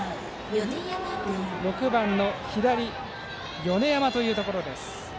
６番の左、米山というところ。